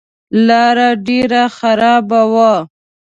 لاره ډېره خرابه وه.